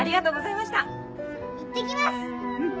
いってきます！